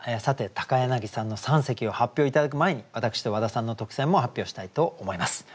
さて柳さんの三席を発表頂く前に私と和田さんの特選も発表したいと思います。